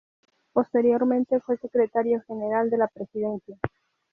Posteriormente fue secretario general de la Presidencia.